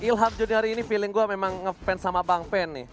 ilham junior ini feeling gue memang ngefans sama bang pen nih